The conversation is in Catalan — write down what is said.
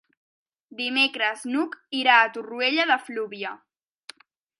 Dimecres n'Hug irà a Torroella de Fluvià.